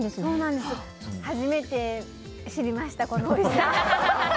初めて知りましたこのおいしさ。